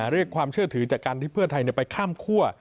เรียกความเชื่อถือจากการที่เพื่อไทยไปข้ามคั่ว